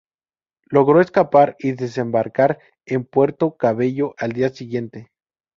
Logró escapar y desembarcar en Puerto Cabello al día siguiente.